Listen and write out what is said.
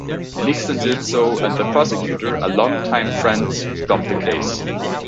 Nixon did so, and the prosecutor, a long-time friend, dropped the case.